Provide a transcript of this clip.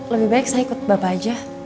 lebih baik saya ikut bapak aja